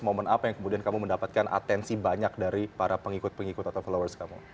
momen apa yang kemudian kamu mendapatkan atensi banyak dari para pengikut pengikut atau followers kamu